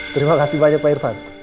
terima kasih banyak pak irfan